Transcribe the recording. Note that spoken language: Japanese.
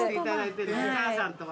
お母さんとは。